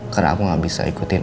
karena aku gak bisa ikutin